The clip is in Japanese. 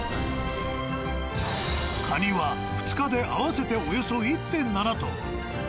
カニは２日で、合わせておよそ１．７トン。